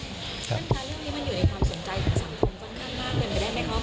สำคัญเรื่องนี้มันอยู่ในความสนใจของสังคมต้องการมากกันไปได้ไหมครับ